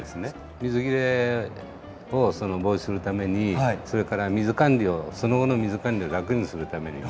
水切れを防止するためにそれからその後の水管理を楽にするためにね。